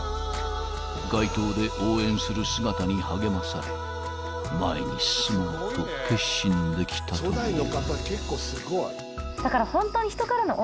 ［街頭で応援する姿に励まされ前に進もうと決心できたという］